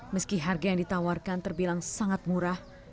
meski harga yang ditawarkan terbilang sangat murah